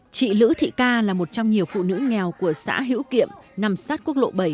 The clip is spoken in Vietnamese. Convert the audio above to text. chị lữ thị ca là một trong nhiều phụ nữ nghèo của xã hữu kiệm nằm sát quốc lộ bảy